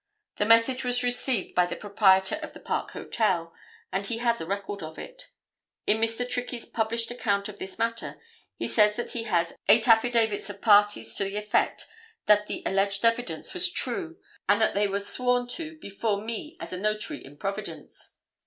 The message was received by the proprietor of the Park Hotel, and he has a record of it. In Mr. Trickey's published account of this matter, he says that he has eight affidavits of parties to the effect that the alleged evidence was true and that they were sworn to before me as a notary in Providence.